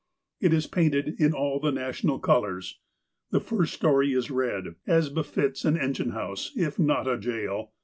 It is painted in all the national colours. The first storey is red, as befits an en gine house, if not a jail.